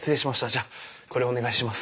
じゃこれお願いします。